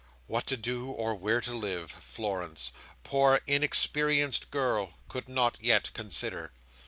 What to do, or where to live, Florence—poor, inexperienced girl!—could not yet consider.